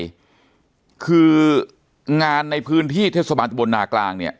เพราะอะไรคืองานในพื้นที่เทศบาลบนดาข์กลางเนี่ย